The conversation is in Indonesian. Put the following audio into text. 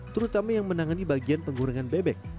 terutama yang menangani bagian penggorengan bebek